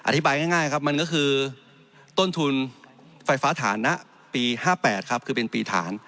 อธิบายง่ายครับมันก็คือต้นทุนไฟฟ้าฐานนะปี๕๘ครับคือเป็นปีฐาน